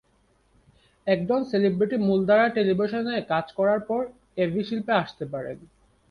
একজন সেলিব্রিটি মূলধারার টেলিভিশনে কাজ করার পর এভি শিল্পে আসতে পারেন।